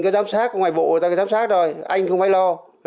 có giám sát của ngoại bộ người ta có giám sát rồi anh không phải lo